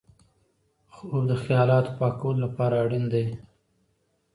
خوب د خیالاتو پاکولو لپاره اړین دی